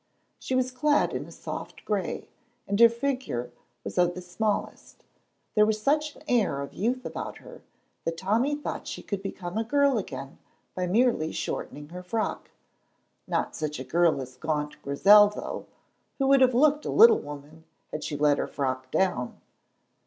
She was clad in a soft gray, and her figure was of the smallest; there was such an air of youth about her that Tommy thought she could become a girl again by merely shortening her frock, not such a girl as gaunt Grizel, though, who would have looked a little woman had she let her frock down.